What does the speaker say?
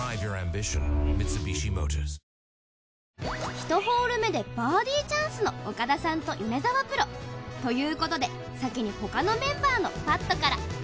１ホール目でバーディーチャンスの岡田さんと米澤プロ。ということで先に他のメンバーのパットから。